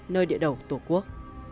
nơi địa đầu tổ quốc